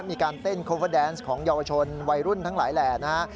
มีการเต้นโคเวอร์แดนส์ของเยาวชนวัยรุ่นทั้งหลายแหล่นะฮะ